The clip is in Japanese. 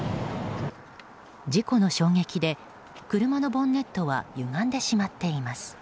事故の衝撃で車のボンネットは歪んでしまっています。